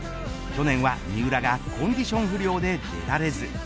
去年は三浦がコンディション不良で出られず。